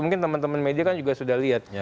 mungkin teman teman media kan juga sudah lihat